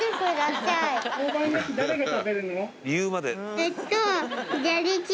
えっと。